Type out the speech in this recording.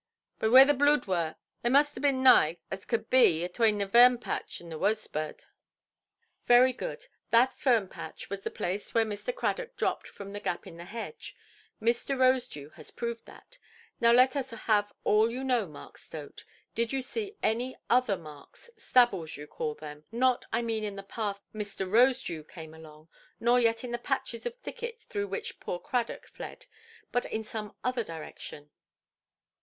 "By whur the blude wor, a moost have been naigh as cud be atwane the vern–patch and the wosebird". "Very good. That fern–patch was the place where Mr. Cradock dropped from the gap in the hedge. Mr. Rosedew has proved that. Now let us have all you know, Mark Stote. Did you see any other marks, stabbles you call them, not, I mean, in the path Mr. Rosedew came along, nor yet in the patches of thicket through which poor Cradock fled, but in some other direction"?